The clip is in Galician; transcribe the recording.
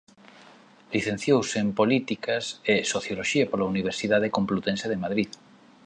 Licenciouse en políticas e socioloxía pola Universidade Complutense de Madrid.